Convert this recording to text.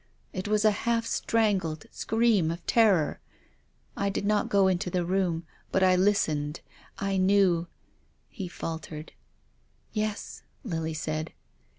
It was a half strangled scream of terror, I did not go into the room, but as I listened, I knew —" He faltered. " Yes," Lily said.